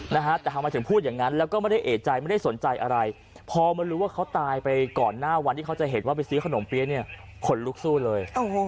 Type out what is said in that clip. นะฮะแต่ทำไมถึงพูดอย่างนั้นแล้วก็ไม่ได้เอกใจไม่ได้สนใจอะไรพอมารู้ว่าเขาตายไปก่อนหน้าวันที่เขาจะเห็นว่าไปซื้อขนมเปี๊ยะเนี่ยขนลุกสู้เลย